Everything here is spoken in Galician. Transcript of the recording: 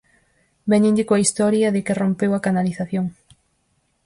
Véñenlle coa historia de que rompeu a canalización.